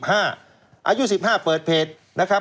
อายุ๑๕เปิดเพจนะครับ